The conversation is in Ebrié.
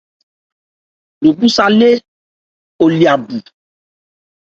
Lo bhu sálé lo lya bu.